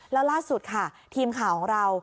แล้วล่าสุดค่ะทีมข่าวของเรา